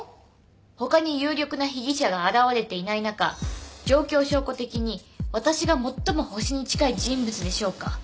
他に有力な被疑者が現れていない中状況証拠的に私が最もホシに近い人物でしょうか。